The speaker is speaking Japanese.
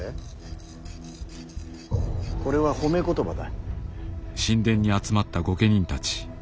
これは褒め言葉だ。